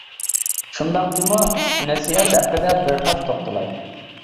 شۇنداقتىمۇ نەسىھەت ھەققىدە بىر ئاز توختىلاي.